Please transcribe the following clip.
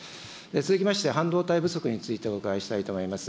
続きまして、半導体不足についてお伺いしたいと思います。